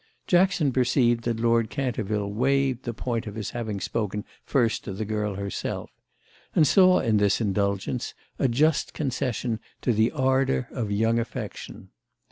Jackson perceived that Lord Canterville waived the point of his having spoken first to the girl herself, and saw in this indulgence a just concession to the ardour of young affection.